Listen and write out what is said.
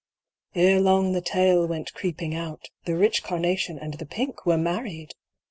ere long the tale went creeping out, The rich Carnation and the Pink were married!